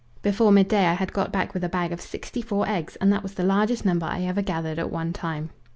Before midday I had got back with a bag of sixty four eggs; and that was the largest number I ever gathered at one time.